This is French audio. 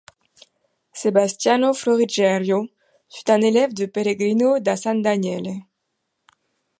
Sebastiano Florigerio fut un élève de Pellegrino da San Daniele.